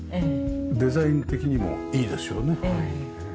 デザイン的にもいいですよね。